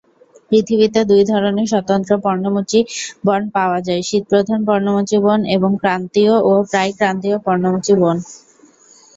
পৃথিবীতে দুই ধরনের স্বতন্ত্র পর্ণমোচী বন পাওয়া যায়ঃ শীতপ্রধান পর্ণমোচী বন এবং ক্রান্তীয় ও প্রায়-ক্রান্তীয় পর্ণমোচী বন।